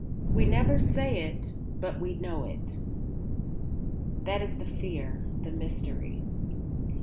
We never say it, but we know it. That is the fear, the mystery.